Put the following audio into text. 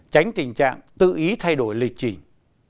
tránh tình trạng tự ý thay đổi lịch trình